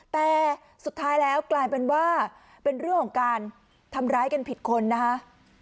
แต่สุดท้ายแล้วกลายเป็นว่าเป็นเรื่องของการทำร้ายกันผิดคนนะคะ